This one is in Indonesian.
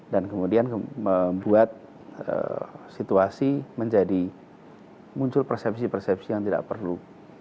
dan kemudian membuat situasi menjadi muncul persepsi persepsi yang tidak perlu